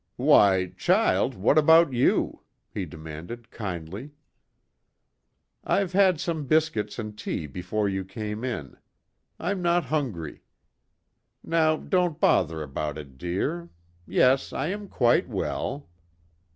"Why, child, what about you?" he demanded kindly. "I've had some biscuits and tea, before you came in. I'm not hungry. Now don't bother about it, dear. Yes, I am quite well."